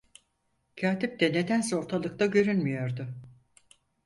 Katip de nedense ortalıkta görünmüyordu.